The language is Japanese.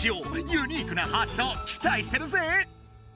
ユニークな発想きたいしてるぜ！